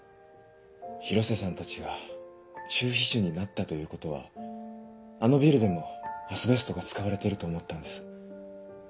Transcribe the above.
広瀬さんたちが中皮腫になったということはあのビルでもアスベストが使われていると思ったんです。